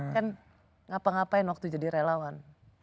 kan ngapa ngapain waktu jadi relawan